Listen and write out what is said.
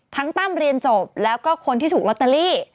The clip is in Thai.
ตั้มเรียนจบแล้วก็คนที่ถูกลอตเตอรี่